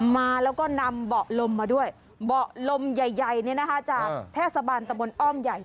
มาแล้วก็นำเบาะลมมาด้วยเบาะลมใหญ่เนี่ยนะคะจากเทศบาลตะบนอ้อมใหญ่